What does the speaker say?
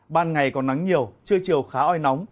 ban ngày còn nắng nhiều trưa chiều khá oi nóng